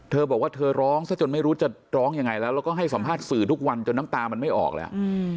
เธอบอกว่าเธอร้องซะจนไม่รู้จะร้องยังไงแล้วแล้วก็ให้สัมภาษณ์สื่อทุกวันจนน้ำตามันไม่ออกแล้ว